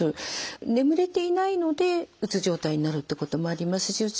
眠れていないのでうつ状態になるってこともありますしうつ